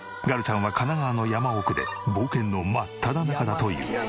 ガルちゃんは神奈川の山奥で冒険の真っただ中だという。